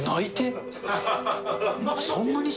そんなに？